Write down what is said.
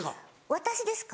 私ですか？